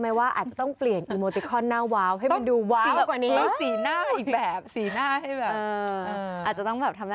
อันนี้มันดูว้าวสงสัยไป